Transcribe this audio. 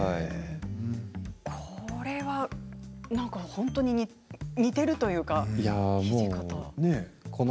これは本当に似ているというか土方ですね。